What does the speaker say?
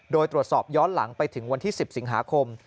โดยตรวจสอบย้อนหลังไปถึงวันที่๑๐สิงหาคม